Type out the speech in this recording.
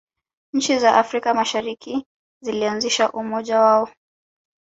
nchi za afrika mashariki zilianzisha umoja wao